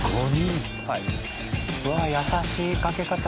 うわあ優しいかけ方。